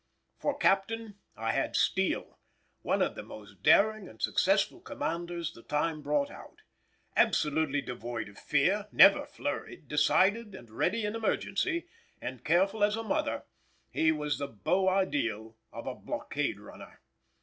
For captain I had Steele, one of the most daring and successful commanders the time brought out. Absolutely devoid of fear, never flurried, decided and ready in emergency, and careful as a mother, he was the beau ideal of a blockade runner.